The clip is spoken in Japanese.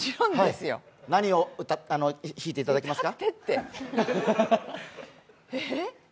何を歌っていただけますか？